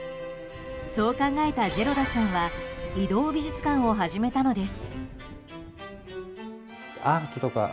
そう考えたジェロラさんは移動美術館を始めたのです。